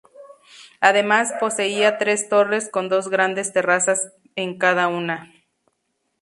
Además, poseía tres torres con dos grandes terrazas en cada una.